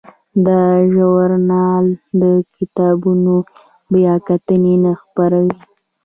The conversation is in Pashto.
دا ژورنال د کتابونو بیاکتنې نه خپروي.